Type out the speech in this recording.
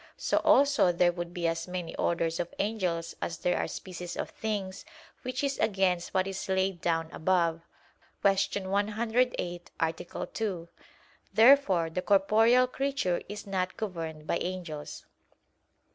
So also there would be as many orders of angels as there are species of things; which is against what is laid down above (Q. 108, A. 2). Therefore the corporeal creature is not governed by angels.